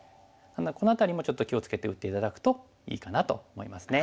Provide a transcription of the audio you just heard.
この辺りもちょっと気を付けて打って頂くといいかなと思いますね。